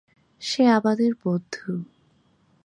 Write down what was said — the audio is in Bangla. সে আমাদের বন্ধু।